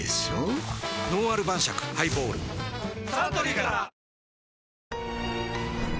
「のんある晩酌ハイボール」サントリーから！